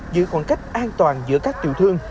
giữa khoảng cách an toàn giữa các tiểu thương